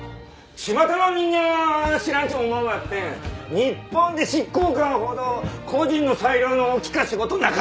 ちまたの人間は知らんと思うばってん日本で執行官ほど個人の裁量の大きか仕事なかとぞ！